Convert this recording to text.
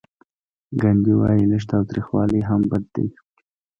ګاندي وايي لږ تاوتریخوالی هم بد دی.